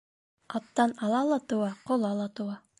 Аттан ала ла тыуа, ҡола ла тыуа.